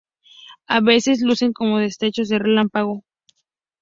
A veces lucen como destellos de relámpago.